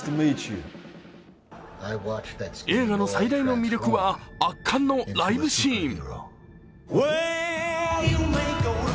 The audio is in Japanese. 映画の最大の魅力は圧巻のライブシーン。